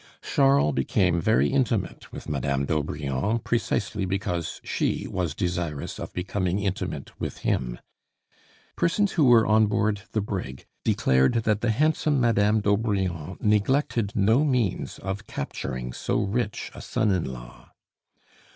Charles became very intimate with Madame d'Aubrion precisely because she was desirous of becoming intimate with him. Persons who were on board the brig declared that the handsome Madame d'Aubrion neglected no means of capturing so rich a son in law.